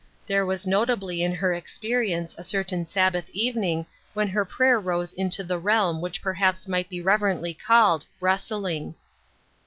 There was notably in her expe rience a certain Sabbath evening when her prayer rose into the realm which perhaps might be rever ently called " wrestling."